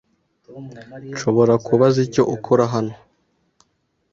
Nshobora kubaza icyo ukora hano?